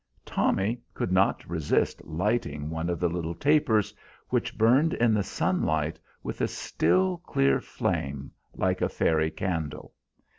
Tommy could not resist lighting one of the little tapers, which burned in the sunlight with a still, clear flame like a fairy candle.